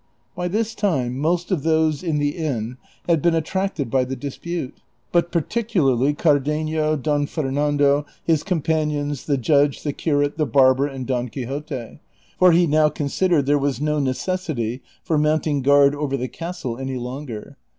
By this time most of those in the inn had been attracted by the dispute, but particxilarly Cardenio, Don Fernando, his com panions, the judge, the curate, the barber, and Don Quixote ; CHAPTER XLIV. 379 for he now considered there was no necessity for mounting gnard over the castle any longer.